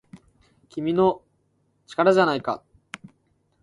「君の！力じゃないか!!」